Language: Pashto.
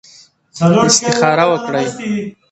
استخاره وکړئ.